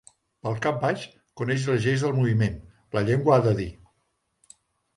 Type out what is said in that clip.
Pel cap baix, coneix les lleis del moviment: “La llengua ha de dir.